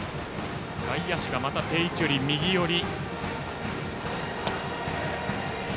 外野手が、また定位置より右寄り。